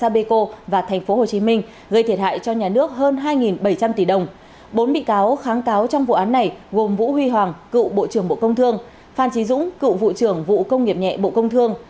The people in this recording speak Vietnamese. phan trí dũng cựu vụ trưởng vụ công nghiệp nhẹ bộ công thương